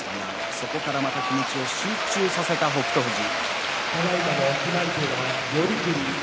そこから気持ちを集中させた北勝富士。